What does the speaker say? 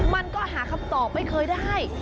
มันก็หาคำตอบไม่เคยได้